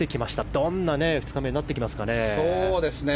どんな２日目になってきますかね。